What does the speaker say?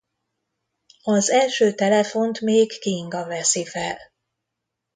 Az első telefont még Kinga veszi fel.